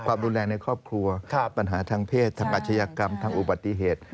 ความรุนแรงในครอบครัวปัญหาทางเพศทางอาชญากรรมทางอุบัติเหตุ